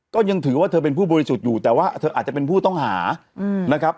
ก็ยังถือว่าเธอเป็นผู้บริสุทธิ์อยู่แต่ว่าเธออาจจะเป็นผู้ต้องหานะครับ